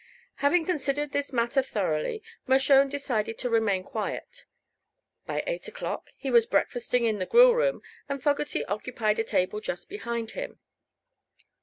Having considered this matter thoroughly, Mershone decided to remain quiet. By eight o'clock he was breakfasting in the grill room, and Fogerty occupied a table just behind him.